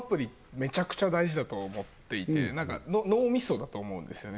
めちゃくちゃ大事だと思っていて脳みそだと思うんですよね